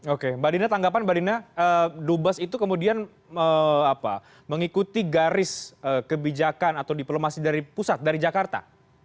oke mbak dina tanggapan mbak dina dubes itu kemudian mengikuti garis kebijakan atau diplomasi dari pusat dari jakarta